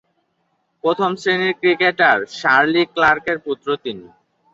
প্রথম-শ্রেণীর cricketer Shirley ক্লার্কের পুত্র তিনি।